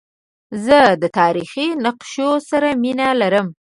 زه د تاریخي نقشو سره مینه لرم.